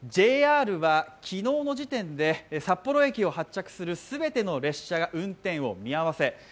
ＪＲは昨日の時点で札幌駅を発着する全ての列車が運転を見合わせ